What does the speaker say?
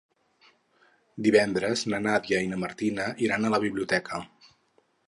Divendres na Nàdia i na Martina iran a la biblioteca.